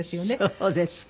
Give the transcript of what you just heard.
そうですか。